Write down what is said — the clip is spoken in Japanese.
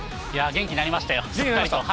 元気になりました？